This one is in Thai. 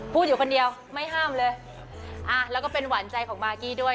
พูดอยู่คนเดียวไม่ห้ามเลยอ่ะแล้วก็เป็นหวานใจของมากกี้ด้วย